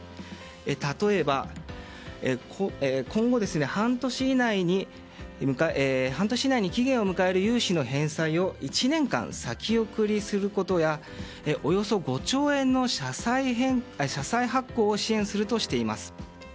例えば、今後半年以内に期限を迎える融資の返済を１年間先送りすることやおよそ５兆円の社債発行を支援するとしています。